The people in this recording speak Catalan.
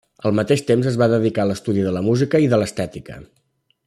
Al mateix temps es va dedicar a l'estudi de la música i de l'estètica.